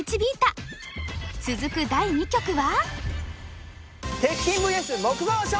続く第２局は。